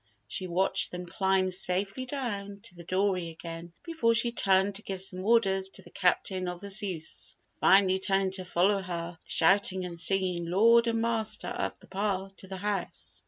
She watched them climb safely down to the dory again before she turned to give some orders to the Captain of the Zeus, finally turning to follow her shouting and singing lord and master up the path to the house.